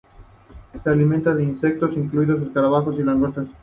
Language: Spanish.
Se alimenta de insectos, incluidos escarabajos y langostas.